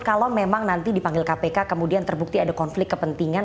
kalau memang nanti dipanggil kpk kemudian terbukti ada konflik kepentingan